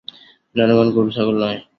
জনগণ গরু ছাগল নয়।